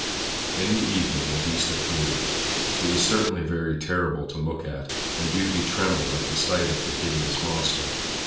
In the evening the beast appeared. He was certainly very terrible to look at, and Beauty trembled at the sight of the hideous monster.